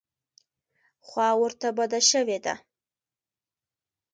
خوا ورته بده شوې ده.